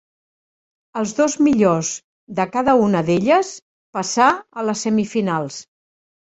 Els dos millors de cada una d'elles passà a les semifinals.